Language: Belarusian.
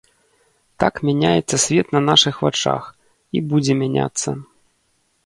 Так мяняецца свет на нашых вачах, і будзе мяняцца.